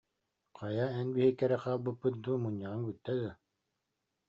Хайа, эн биһикки эрэ хаалбыппыт дуу, мунньаҕыҥ бүттэ дуо